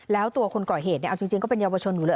แล้วตัวคนก่อเหตุเอาจริงก็เป็นเยาวชนอยู่เลย